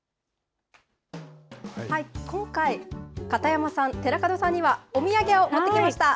今回、片山さん、寺門さんにはお土産を持ってきました。